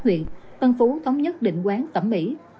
huyện phân phú thống nhất định quán tẩm mỹ